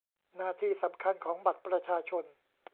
หน้าที่สำคัญของบัตรประชาชน